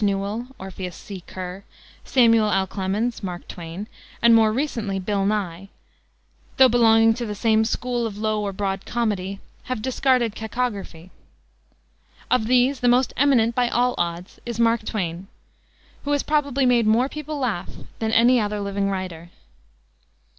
Newell, ("Orpheus C. Kerr"), Samuel L. Clemens, ("Mark Twain"), and more recently "Bill Nye," though belonging to the same school of low or broad comedy, have discarded cacography. Of these the most eminent, by all odds, is Mark Twain, who has probably made more people laugh than any other living writer.